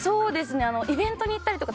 イベントに行ったりとか。